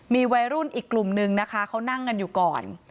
มีวัยรุ่นอีกกลุ่มนึงนะคะเขานั่งกันอยู่ก่อน